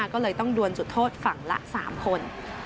ก็เลยต้องดวนจุดโทษฝั่งละ๓คน